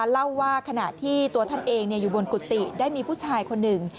เล่าว่าขณะที่ตัวท่านเองอยู่บนกุฏิได้มีผู้ชายคนหนึ่ง